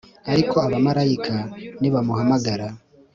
ariko abamarayika nibamuhamagara